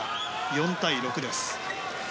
４対６です。